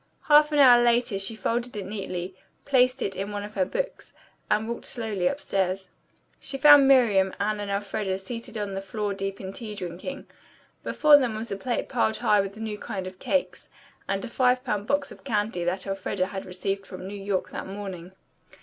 Half an hour later she folded it neatly, placed it inside one of her books, and went slowly upstairs. She found Miriam, Anne and Elfreda seated on the floor deep in tea drinking. Before them was a plate piled high with the new kind of cakes, and a five pound box of candy that Elfreda had received from New York that morning.